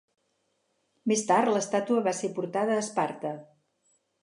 Més tard, l'estàtua va ser portada a Esparta.